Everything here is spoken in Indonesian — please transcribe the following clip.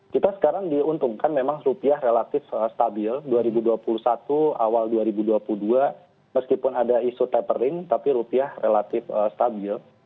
kita sekarang diuntungkan memang rupiah relatif stabil dua ribu dua puluh satu awal dua ribu dua puluh dua meskipun ada isu tapering tapi rupiah relatif stabil